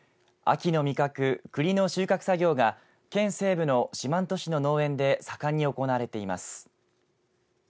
秋の味覚くりの収穫作業が県西部の四万十市の農園で盛んに行われています。